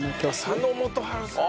佐野元春さん。